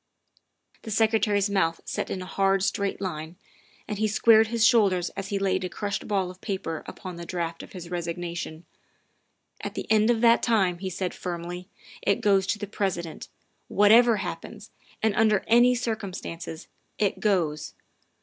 '' The Secretary's mouth set in a hard, straight line, and he squared his shoulders as he laid a crushed ball of paper upon the draft of his resignation. " At the end of that time," he said firmly, " it goes to the President. Whatever happens, and under any circumstances, it goes.